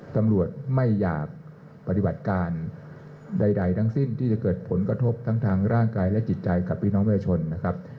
ตำรวจไม่อยากปฏิบัติการใดทั้งสิ้นที่จะเกิดผลกระทบทั้งทางร่างกายและจิตใจกับพี่น้องประชาชนนะครับ